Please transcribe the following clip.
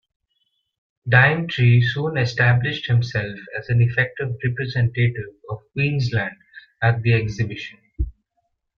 Daintree soon established himself as an effective representative of Queensland at the Exhibition.